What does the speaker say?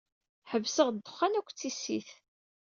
Ḥebseɣ ddexxan akked tissit.